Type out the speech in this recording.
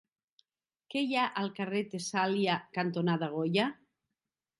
Què hi ha al carrer Tessàlia cantonada Goya?